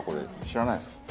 知らないですか？